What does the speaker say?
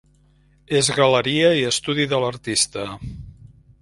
És galeria i estudi de l’artista.